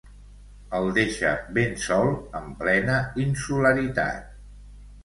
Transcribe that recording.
El deixa ben sol en plena insularitat.